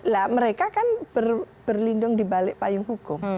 lah mereka kan berlindung dibalik payung hukum